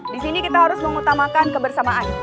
di sini kita harus mengutamakan kebersamaan